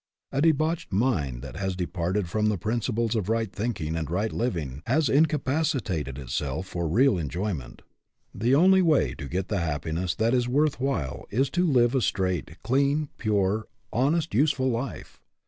A debauched mind that has departed from the principles of right thinking and right liv ing has incapacitated itself for real enjoyment. The only way to get the happiness that is worth while is to live a straight, clean, pure, honest, useful life.